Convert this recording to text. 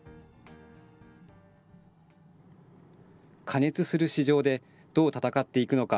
過熱する市場でどう戦っていくのか。